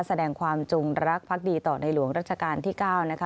แสดงความจงรักภักดีต่อในหลวงรัชกาลที่๙นะคะ